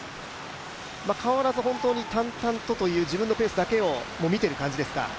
変わらず本当に淡々とという自分のペースだけを見ている状況ですか。